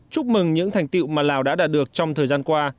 chúc mừng những thành tiệu mà lào đã đạt được trong thời gian qua